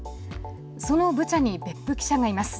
そのブチャに別府記者がいます。